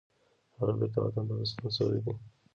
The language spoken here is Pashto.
هغه بیرته وطن ته ستون شوی دی.